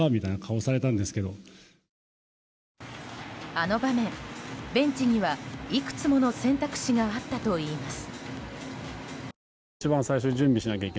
あの場面、ベンチにはいくつもの選択肢があったといいます。